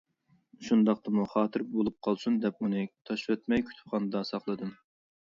شۇنداقتىمۇ خاتىرە بولۇپ قالسۇن دەپ ئۇنى تاشلىۋەتمەي كۇتۇپخانامدا ساقلىدىم.